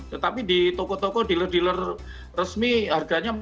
tetapi di toko toko dealer dealer resmi harganya